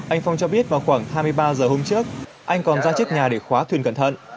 anh phong cho biết vào khoảng hai mươi ba giờ hôm trước anh còn ra trước nhà để khóa thuyền cẩn thận